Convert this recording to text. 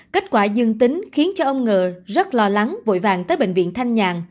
kết quả dương tính khiến ông ng rất lo lắng vội vàng tới bệnh viện thanh nhàng